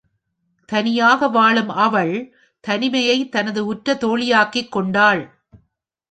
தனியாக வாழும் அவள், தனிமையை தனது உற்ற தோழியாக்கிக் கொண்டாள்.